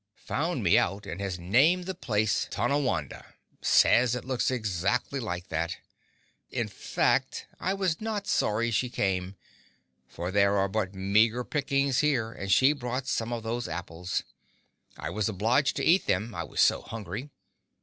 Found me out, and has named the place Tonawanda—says it looks like that. In fact, I was not sorry she came, for there are but meagre pickings here, and she brought some of those apples. I was obliged to eat them, I was so hungry.